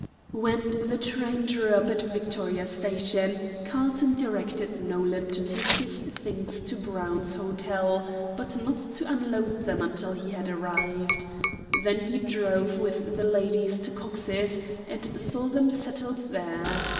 When the train drew up at Victoria Station, Carlton directed Nolan to take his things to Brown's Hotel, but not to unload them until he had arrived. Then he drove with the ladies to Cox's, and saw them settled there.